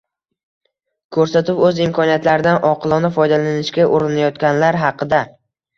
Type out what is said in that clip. Ko'rsatuv - o‘z imkoniyatlaridan oqilona foydalanishga urinayotganlar haqida.